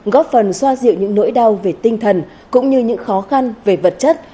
góp phần xoa dịu những nỗi đau về tinh thần cũng như những khó khăn về vật chất